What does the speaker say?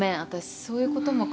そういうことも考えず。